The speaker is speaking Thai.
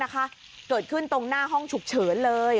เกิดขึ้นตรงหน้าห้องฉุกเฉินเลย